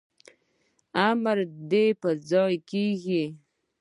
امر دي پرځای کیږي